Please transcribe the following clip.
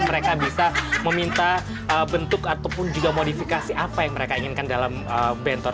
dan mereka juga meminta bentuk ataupun juga modifikasi apa yang mereka inginkan dalam bentor